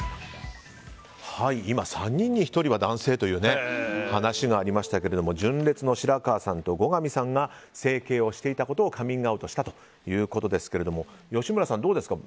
今、３人に１人は男性という話がありましたけれども純烈の白川さんと後上さんが整形をしていたことをカミングアウトしたということですけれども吉村さん、どうですか？